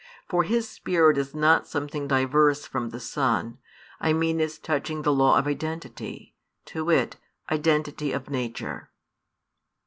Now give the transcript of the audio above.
For His Spirit is not something diverse from the Son, I mean as touching the law of identity, to wit, identity of nature.